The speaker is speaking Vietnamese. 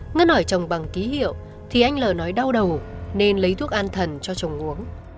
ngân nói chồng bằng ký hiệu thì anh l nói đau đầu nên lấy thuốc an thần cho chồng uống